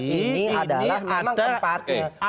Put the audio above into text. ini memang tempatnya